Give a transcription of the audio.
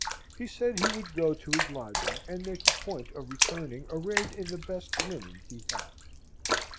He said he would go to his lodging, and make a point of returning arrayed in the best linen he had.